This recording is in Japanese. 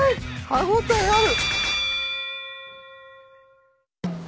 歯応えある。